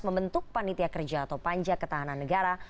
membentuk panitia kerja atau panja ketahanan negara